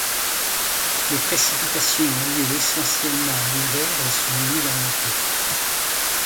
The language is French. Les précipitations ont lieu essentiellement en hiver et sont nulles en été.